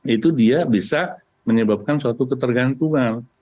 itu dia bisa menyebabkan suatu ketergantungan